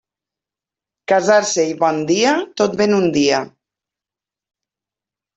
Casar-se i bon dia, tot ve en un dia.